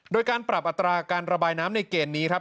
โดยการปรับอัตราการระบายน้ำในเกณฑ์นี้ครับ